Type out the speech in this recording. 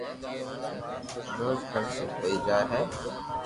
روگا خرچ ھوئي جائي ھي